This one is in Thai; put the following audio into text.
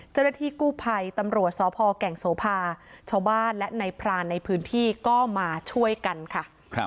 เจ้าหน้าที่กู้ภัยตำรวจสพแก่งโสภาชาวบ้านและในพรานในพื้นที่ก็มาช่วยกันค่ะ